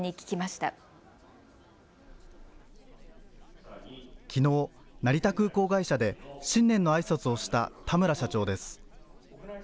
きのう成田空港会社で新年のあいさつをした田村社長です。